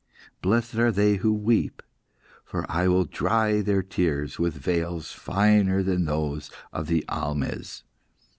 Blessed are they who weep, for I will dry their tears with veils finer than those of the almehs!